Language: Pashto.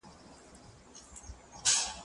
زه پرون بازار ته ولاړم،